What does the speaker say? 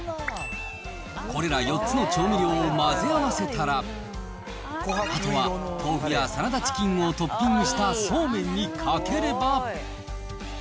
これら４つの調味料を混ぜ合わせたら、あとは豆腐やサラダチキンをトッピングしたそうめんにかければ。